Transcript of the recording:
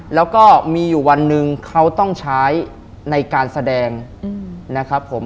แล้วก็มีอยู่วันหนึ่งเขาต้องใช้ในการแสดงนะครับผม